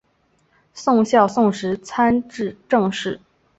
宋孝宗时参知政事。